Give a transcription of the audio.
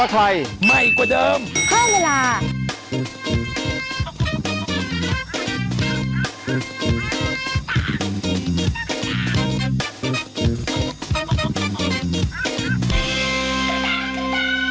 โปรดติดตามตอนต่อไป